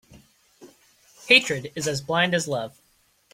Hatred is as blind as love.